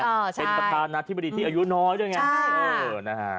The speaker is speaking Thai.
เป็นประธานาธิบดีที่อายุน้อยด้วยไง